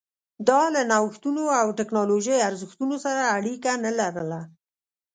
دا له نوښتونو او ټکنالوژۍ ارزښتونو سره اړیکه نه لرله